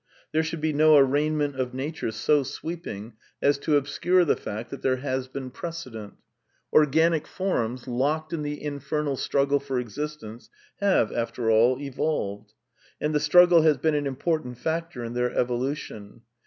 There should be no arraignment of Nature so sweeping as 328 A DEFENCE OF IDEALISM to obscure the fact that there has been precedent Organic forms, locked in the infernal struggle for existence, have, after all, evolved ; and the struggle has been an important factor in their evolution.